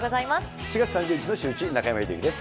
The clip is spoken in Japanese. ４月３０日のシューイチ、中山秀征です。